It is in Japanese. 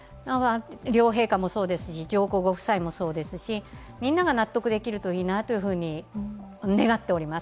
両陛下もそうですし、上皇ご夫妻もそうですしみんなが納得できるといいなと願っております。